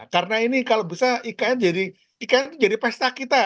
karena ini kalau bisa ikn jadi ikn jadi pesta kita